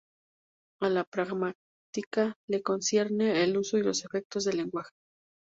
A la pragmática le concierne el uso y los efectos del lenguaje.